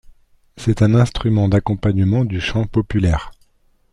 C'est un instrument d'accompagnement du chant populaire.